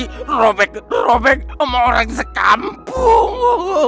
ter développel oleh orang sekampung